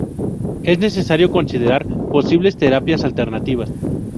Es necesario considerar posibles terapias alternativas.